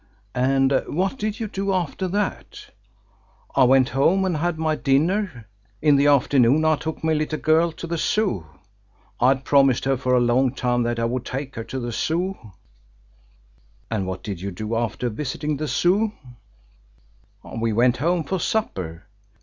"And what did you do after that?" "I went home and had my dinner. In the afternoon I took my little girl to the Zoo. I had promised her for a long time that I would take her to the Zoo." "And what did you do after visiting the Zoo?" "We went home for supper.